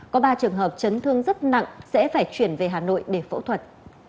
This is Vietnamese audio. có ba trường hợp chấn thương rất nặng sẽ phải chuyển về hà nội để phẫu thuật